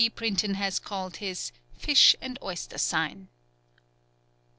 Brinton has called his "fish and oyster sign."